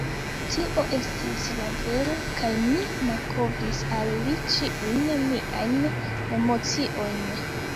Tio estis la vero, kaj mi malkovris al li ĉiujn miajn emociojn.